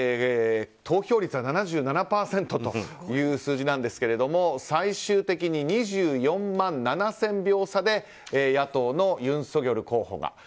投票率は７７％という数字なんですけれども最終的に２４万７０００票差で野党のユン・ソギョル候補が。